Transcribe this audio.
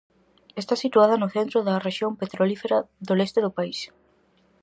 Está situada no centro da rexión petrolífera do leste do país.